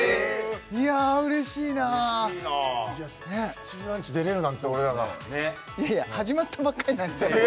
いや嬉しいな「プチブランチ」出れるなんて俺らがいやいや始まったばっかりなんですよ